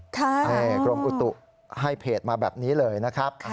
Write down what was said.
กรมอุตุให้เพจมาแบบนี้เลยนะครับ